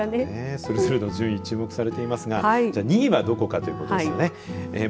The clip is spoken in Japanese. それぞれの順位注目されていますがじゃあ２位はどこかですね。